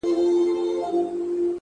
• د هر چا په نزد له لوټي برابر یم ,